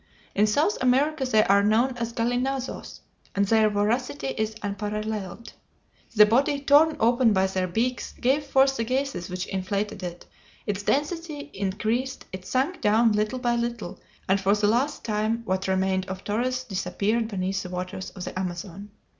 In South America they are known as gallinazos, and their voracity is unparalleled. The body, torn open by their beaks, gave forth the gases which inflated it, its density increased, it sank down little by little, and for the last time what remained of Torres disappeared beneath the waters of the Amazon.